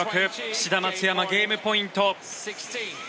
志田・松山、ゲームポイント。